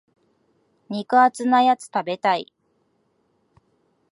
肉厚なやつ食べたい。